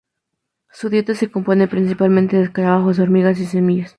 Su dieta se compone principalmente de escarabajos, hormigas y semillas.